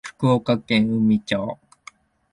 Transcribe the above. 福岡県宇美町